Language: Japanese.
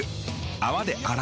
泡で洗う。